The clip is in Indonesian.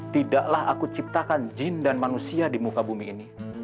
tidaklah aku ciptakan jin dan manusia di muka bumi ini